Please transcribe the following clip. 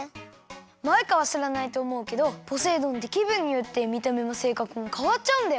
マイカはしらないとおもうけどポセイ丼ってきぶんによってみためもせいかくもかわっちゃうんだよ。